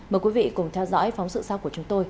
mời quý vị cùng theo dõi phóng sự sau của chúng tôi